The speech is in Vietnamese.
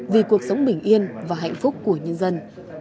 vì cuộc sống bình yên và hạnh phúc của nhân dân